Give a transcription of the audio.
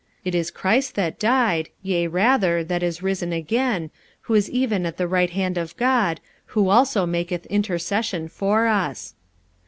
It is Christ that died, yea rather, that is risen again, who is even at the right hand of God, who also maketh intercession for us.